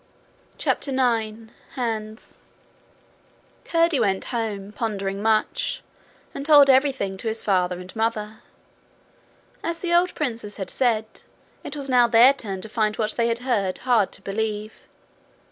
CHAPTER 9 Hands Curdie went home, pondering much, and told everything to his father and mother. As the old princess had said, it was now their turn to find what they heard hard to believe.